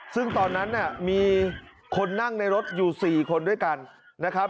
ซึ่งตอนนั้นเนี่ยมีคนนั่งในรถอยู่๔คนด้วยกันนะครับ